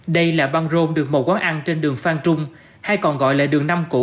đây là băng rôn được một quán ăn trên đường phan trung hay còn gọi là đường năm cũ